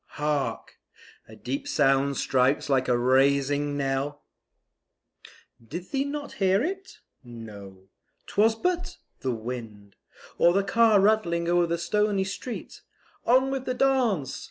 hark! a deep sound strikes like a rising knell, Did ye not hear it? No; 'twas but; the wind, Or the car rattling o'er the stony street; On with the dance!